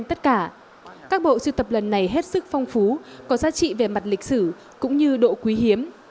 tất cả các bộ sưu tập lần này hết sức phong phú có giá trị về mặt lịch sử cũng như độ quý hiếm